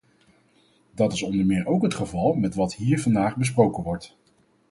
Dat is onder meer ook het geval met wat hier vandaag besproken wordt.